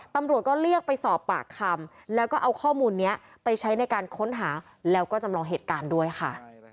ตำรวจก็เรียกไปสอบปากคำแล้วก็เอาข้อมูลนี้ไปใช้ในการค้นหาแล้วก็จำลองเหตุการณ์ด้วยค่ะ